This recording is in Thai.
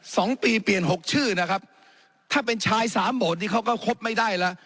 สองปีเปลี่ยนหกชื่อนะครับถ้าเป็นชายสามโบสถนี่เขาก็ครบไม่ได้แล้ว